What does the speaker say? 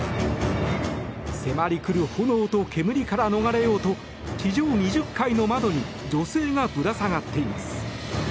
迫り来る炎と煙から逃れようと地上２０階の窓に女性がぶら下がっています。